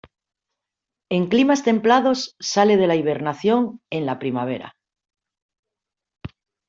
En climas templados sale de la hibernación en la primavera.